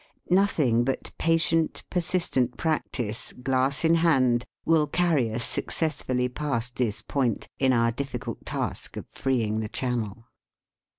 Nothing but patient, persistent practice, glass in hand, will carry us successfully past this point in our difficult task of freeing the channel.